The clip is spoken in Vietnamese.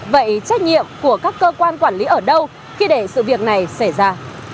vậy trách nhiệm của các cơ quan quản lý ở đâu khi để sự việc này xảy ra